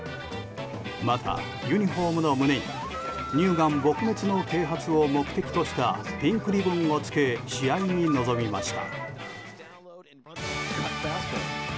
またユニホームの胸に乳がん撲滅の啓発を目的としたピンクリボンをつけ試合に臨みました。